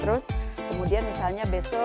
terus kemudian misalnya besok